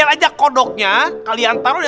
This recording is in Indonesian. kayaknya ada yang aneh deh